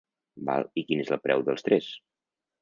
Val i quin és el preu dels tres?